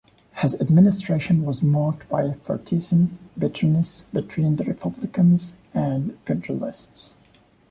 His administration was marked by partisan bitterness between the Republicans and Federalists.